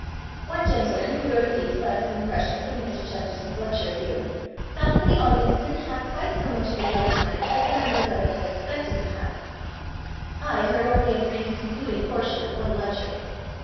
One gentleman who wrote a piece about his impressions of Mr. Chester ton's lectures here, felt that the audi ence didn't have quite so much of a good time as the members of it had expected to have. I heard only a brief, concluding portion of one lec ture.